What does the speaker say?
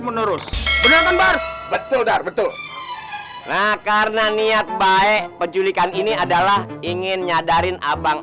menerus betul betul nah karena niat baik penculikan ini adalah ingin nyadarin abang